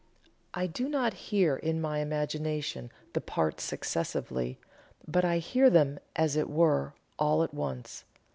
I do not hear in my imagination the parts successively, but I hear them, as it were, all at once.